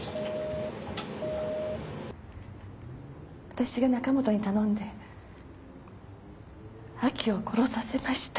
私が中本に頼んで亜希を殺させました。